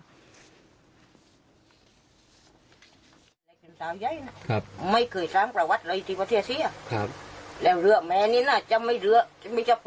แม่บอกว่าลูกชายไม่ได้ทำ